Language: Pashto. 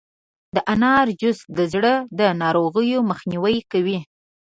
د انار جوس د زړه د ناروغیو مخنیوی کوي.